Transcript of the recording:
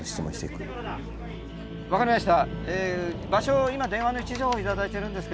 分かりました。